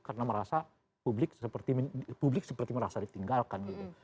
karena merasa publik seperti merasa ditinggalkan gitu